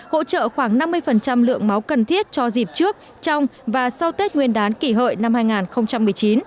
hỗ trợ khoảng năm mươi lượng máu cần thiết cho dịp trước trong và sau tết nguyên đán kỷ hợi năm hai nghìn một mươi chín